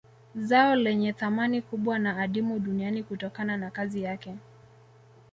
Zao lenye thamani kubwa na adimu duniani kutokana na kazi yake